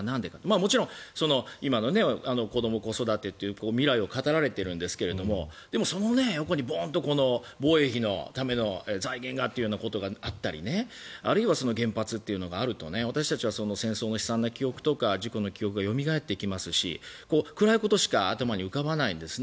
もちろん今の子ども・子育てという未来を語られているんですけどその横に防衛費のための財源がということがあったりあるいは原発というのがあると私たちは戦争の悲惨な記憶とか事故の記憶がよみがえってきますし暗いことしか頭に浮かばないんですね。